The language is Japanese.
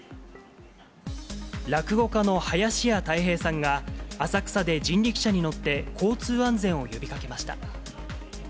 落語家の林家たい平さんが、浅草で人力車に乗って、交通安全を呼びかけました。